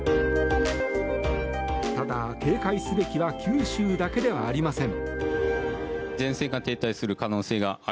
ただ、警戒すべきは九州だけではありません。